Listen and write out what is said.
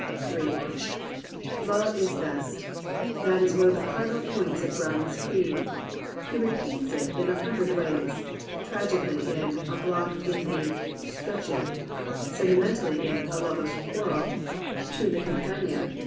m "Love is best!" That is one of the cardinal points of Browning*s creed. He repeats it in a hun dred ways: tragically in A Blot in the * Scutcheon; sentimentally in A Lover^s Quarrel, Two in the Cam 255 COMPANIONABLE BOOKS pagna.